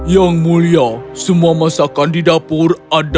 yang mulia semua masakan di dapur ada